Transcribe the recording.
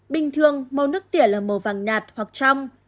bình thường màu nước tỉa là màu vàng nhạt hoặc trong